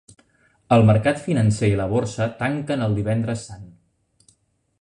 El mercat financer i la borsa tanquen el Divendres Sant.